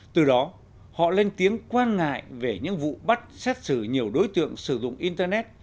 từ đó họ lên tiếng quan ngại về những vụ bắt xét xử nhiều đối tượng sử dụng internet